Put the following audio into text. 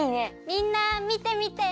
みんなみてみて！